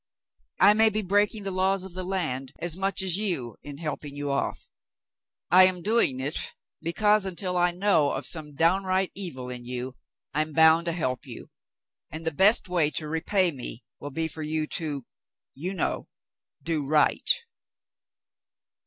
I may be breaking the laws of the land as much as you in helping you off. I am doing it because, until I know of some downright evil in you, I'm bound to help you, and the best way to repay me will be for you to — you know — do right."